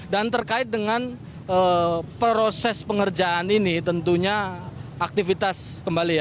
dan terkait dengan proses pengerjaan ini tentunya aktivitas kembali ya